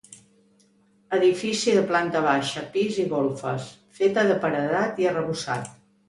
Edifici de planta baixa, pis i golfes, feta de paredat i arrebossat.